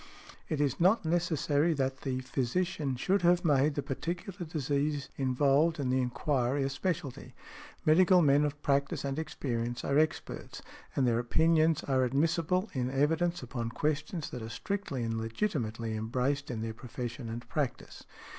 It is not necessary that the physician should have made the particular disease involved in the enquiry a specialty; medical men of practice and experience are experts, and their opinions are admissible in evidence upon questions that are strictly and legitimately embraced in their profession and practice.